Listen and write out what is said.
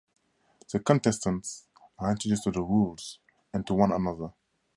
The contestants are introduced to the rules and to one another.